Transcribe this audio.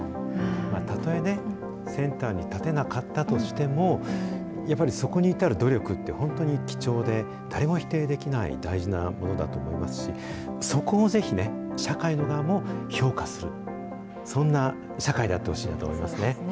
例えね、センターに立てなかったとしても、やっぱりそこに至る努力って本当に貴重で、誰も否定できない大事なものだと思うし、そこをぜひね、社会の側も評価する、そんな社会であってほしいなと思いますね。